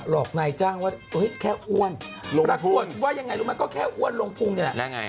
หลอกนายจ้างว่าเฮ้ยแค่อ้วนลงภูมิปรากฏว่ายังไงล่ะมันก็แค่อ้วนลงภูมิเนี่ย